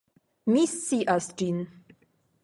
Mi scias ĝin.